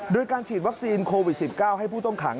โดยการฉีดวัคซีนโควิด๑๙ให้ผู้ต้องขัง